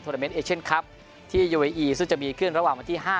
โทรเตอร์เมนต์เอเชนครับที่ซึ่งจะมีขึ้นระหว่างวันที่ห้า